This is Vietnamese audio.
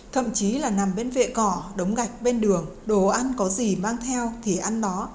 thậm chí là nằm bên vệ cỏ đống gạch bên đường đồ ăn có gì mang theo thì ăn nó